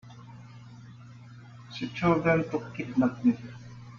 She told them to kidnap me.